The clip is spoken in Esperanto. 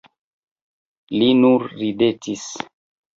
Li nur ridetis.